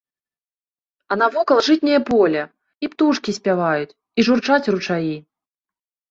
А навокал жытняе поле, і птушкі спяваюць, і журчаць ручаі.